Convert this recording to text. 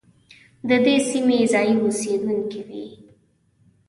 د دې سیمې ځايي اوسېدونکي وي.